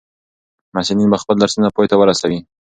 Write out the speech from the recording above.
محصلین به خپل درسونه پای ته ورسوي.